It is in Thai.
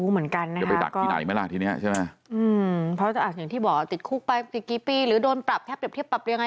เพราะจะอาจอย่างที่บอกติดคลุกไปกี่ปีหรือโดนปรับแทบเทียบปรับยังไง